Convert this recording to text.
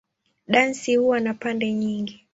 Dansi huwa na pande nyingi.